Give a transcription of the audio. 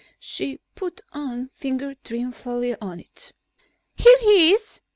She put on finger triumphantly on it. "Here he is.